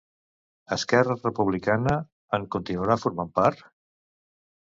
Esquerra Republicana en continuarà formant part?